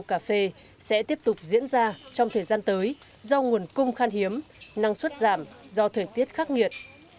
cà phê sẽ tiếp tục diễn ra trong thời gian tới do nguồn cung khan hiếm năng suất giảm do thời tiết khắc nghiệt